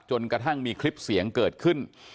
จนกระทั่งมีคลิปเสียงเกิดขึ้น